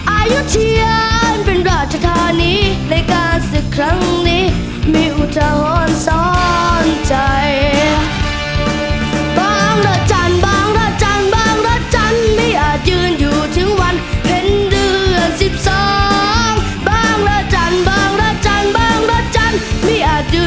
อายุเทียนเป็นราชธานีในการศึกครั้งนี้มีอุทธาหร์ซ้อนใจ